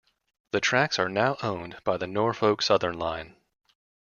The tracks are now owned by the Norfolk Southern line.